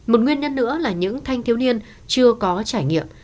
một nguyên nhân nữa là những thanh thiếu niên chưa có trải nghiệm